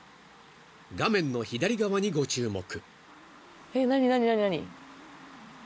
［画面の左側にご注目］